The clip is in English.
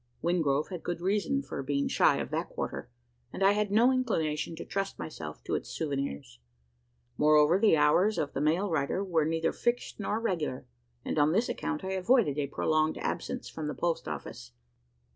Wingrove had good reason for being shy of that quarter; and I had no inclination to trust myself to its souvenirs. Moreover, the hours of the mail rider were neither fixed nor regular; and on this account I avoided a prolonged absence from the post office.